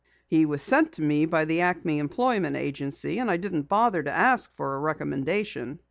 "He was sent to me by the Acme Employment Agency, and I didn't bother to ask for a recommendation."